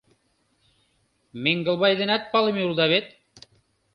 Менгылбай денат палыме улыда вет?